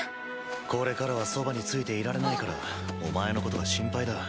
これからはそばについていられないからお前のことが心配だ。